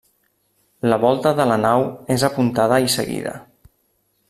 La volta de la nau és apuntada i seguida.